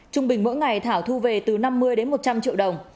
trung bình mỗi ngày thảo thu về từ năm mươi đến một trăm linh triệu đồng